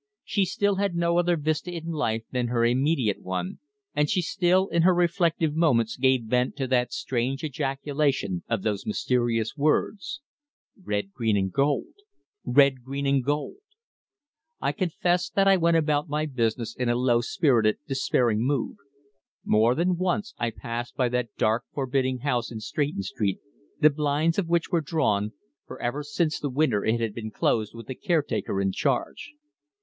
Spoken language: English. She still had no other vista in life than her immediate one, and she still in her reflective moments gave vent to that strange ejaculation of those mysterious words: "Red, green and gold! Red, green and gold!" I confess that I went about my business in a low spirited, despairing mood. More than once I passed by that dark forbidding house in Stretton Street, the blinds of which were drawn, for ever since the winter it had been closed with the caretaker in charge.